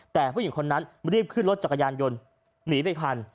แต่ผู้หญิงคนนั้นรีบขึ้นรถจักรยานยนต์หนีไปทัน